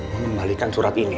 membalikan surat ini